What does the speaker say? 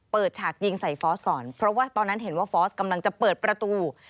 ฉากยิงใส่ฟอสก่อนเพราะว่าตอนนั้นเห็นว่าฟอร์สกำลังจะเปิดประตู